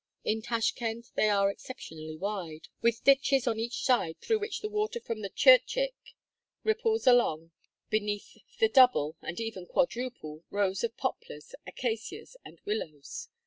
In Tashkend they are exceptionally wide, with ditches on each side through which the water from the Tchirtchick ripples along beneath the double, and even quadruple, rows of poplars, acacias, and willows.